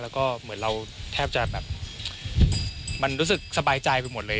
แล้วก็เหมือนเราแทบจะแบบมันรู้สึกสบายใจไปหมดเลย